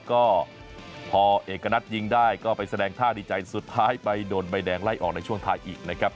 ก็พอเอกณัฐยิงได้ก็ไปแสดงท่าดีใจสุดท้ายไปโดนใบแดงไล่ออกในช่วงท้ายอีกนะครับ